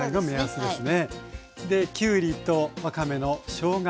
そうですね。